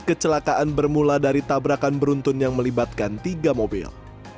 kecelakaan bermula dari tabrakan beruntun yang melibatkan tiga mobil